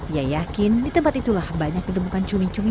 ia yakin di tempat itulah banyak ditemukan cumi cumi